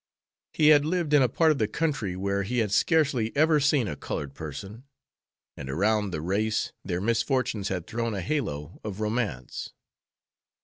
He had lived in a part of the country where he had scarcely ever seen a colored person, and around the race their misfortunes had thrown a halo of romance.